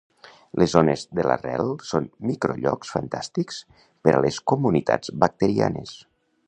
Les zones de l'arrel són microllocs fantàstics per a les comunitats bacterianes.